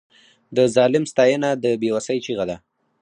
د ظالم ستاینه د بې وسۍ چیغه ده.